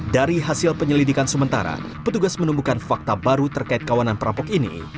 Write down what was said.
dari hasil penyelidikan sementara petugas menemukan fakta baru terkait kawanan perampok ini